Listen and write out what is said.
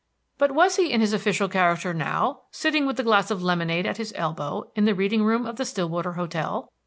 But was he in his official character now, sitting with a glass of lemonade at his elbow in the reading room of the Stillwater hotel?